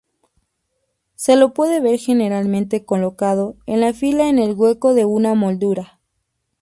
Se lo puede ver generalmente colocado en fila en el hueco de una moldura.